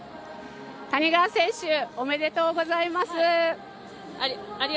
谷川選手、おめでとうございます。